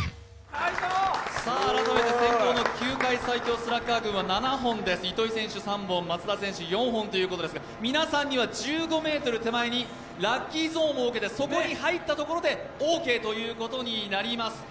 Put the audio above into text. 改めて先攻の球界最強スラッガー軍は７本です、糸井選手３本、松田選手４本ということですが、皆さんには、１５ｍ手前にラッキーゾーンを設けて、そこに入ったところでオーケーになります。